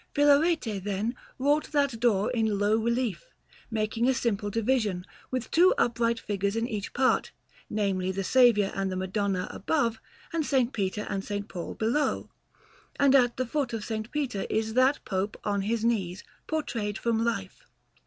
Filarete, then, wrought that door in low relief, making a simple division, with two upright figures in each part namely, the Saviour and the Madonna above, and S. Peter and S. Paul below; and at the foot of S. Peter is that Pope on his knees, portrayed from life.